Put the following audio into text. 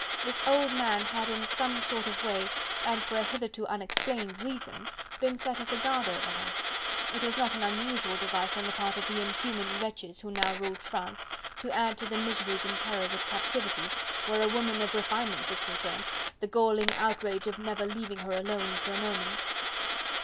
This old man had in some sort of way, and for a hitherto unexplained reason, been set as a guard over her; it was not an unusual device on the part of the inhuman wretches who now ruled France, to add to the miseries and terrors of captivity, where a woman of refinement was concerned, the galling outrage of never leaving her alone for a moment.